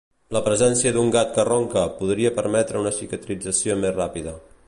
La presència d'un gat que ronca podria permetre una cicatrització més ràpida.